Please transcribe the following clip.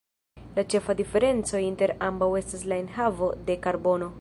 La ĉefa diferenco inter ambaŭ estas la enhavo de karbono.